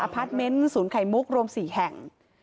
พาร์ทเมนต์ศูนย์ไข่มุกรวม๔แห่ง